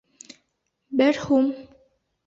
Бер һум